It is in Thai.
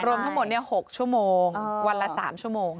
รวมทั้งหมด๖ชั่วโมงวันละ๓ชั่วโมง